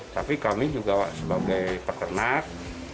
tapi kami juga sebagai peternak